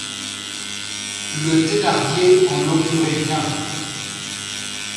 Le Thénardier en augurait bien.